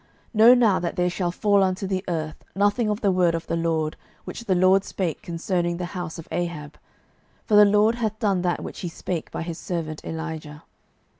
12:010:010 Know now that there shall fall unto the earth nothing of the word of the LORD, which the LORD spake concerning the house of Ahab: for the LORD hath done that which he spake by his servant Elijah.